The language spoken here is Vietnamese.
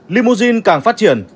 limousine càng phát triển